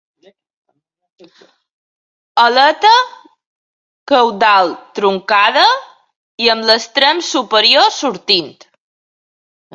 Aleta caudal truncada i amb l'extrem superior sortint.